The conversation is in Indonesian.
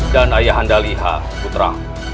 dan ayah handa lihat putra